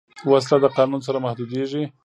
وسله د قانون سره محدودېږي